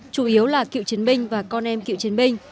chủ yếu là cựu chiến binh và con em cựu chiến binh